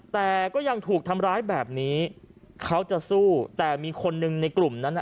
แต่ก็ยังถูกทำร้ายแบบนี้เขาจะสู้แต่มีคนหนึ่งในกลุ่มนั้นอ่ะ